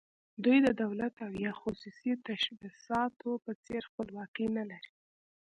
دوی د دولت او یا خصوصي تشبثاتو په څېر خپلواکي نه لري.